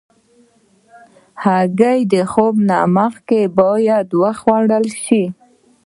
هګۍ د خوب مخکې نه باید وخوړل شي.